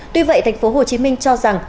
tuy vậy tp hcm cho rằng